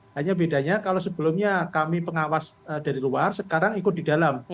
hanya bedanya kalau sebelumnya kami pengawas dari luar sekarang ikut di dalam